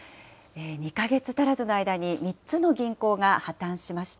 ２か月足らずの間に３つの銀行が破綻しました。